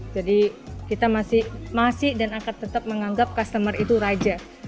jadi kita masih dan akan tetap menganggap customer itu raja